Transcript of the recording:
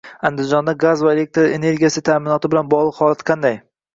Andijonda gaz va elektr energiyasi ta’minoti bilan bog‘liq holat qanday?